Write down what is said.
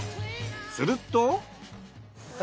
すると。